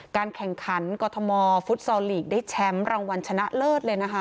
การแข่งขันกรทมฟุตซอลลีกได้แชมป์รางวัลชนะเลิศเลยนะคะ